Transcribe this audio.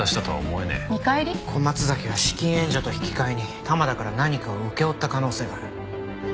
小松崎は資金援助と引き換えに玉田から何かを請け負った可能性がある。